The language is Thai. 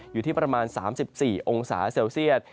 อยู่ที่ประมาณ๓๔องศาเซลเซียต